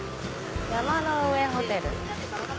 「山の上ホテル」。